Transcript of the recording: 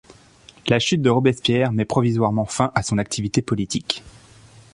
La chute de Robespierre met provisoirement fin à son activité politique.